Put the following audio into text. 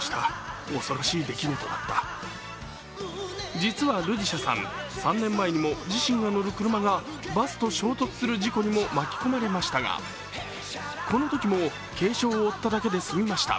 実はルデシャさん、３年前にも自身が乗る車がバスと衝突する事故にも巻き込まれましたがこのときも軽傷を負っただけで済みました。